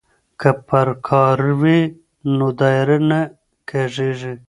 که پرکار وي نو دایره نه کږیږي.